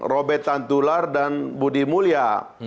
robert tantular dan budi mulya